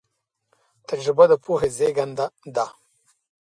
تجربه د پوهې زېږنده ده.